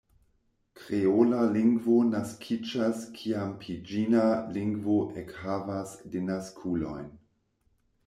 Kreola lingvo naskiĝas kiam piĝina lingvo ekhavas denaskulojn.